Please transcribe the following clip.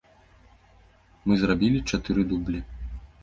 Мы зрабілі чатыры дублі.